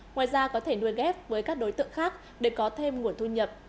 ngoài ra có thể nuôi ghép với các đối tượng khác để có thêm nguồn thu nhập